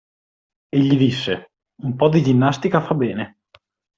Egli disse: – Un po' di ginnastica fa bene.